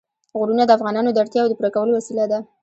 غرونه د افغانانو د اړتیاوو د پوره کولو وسیله ده.